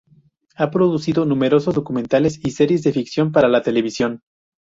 Ha producido numerosos documentales y series de ficción para televisión.